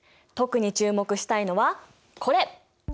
特に注目したいのはこれ。